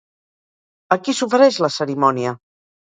A qui s'ofereix la cerimònia?